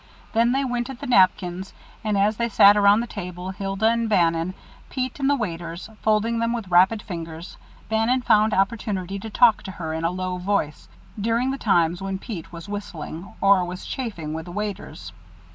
Then they went at the napkins, and as they sat around the table, Hilda and Bannon, Pete and the waiters, folding them with rapid fingers, Bannon found opportunity to talk to her in a low voice, during the times when Pete was whistling, or was chaffing with the waiters.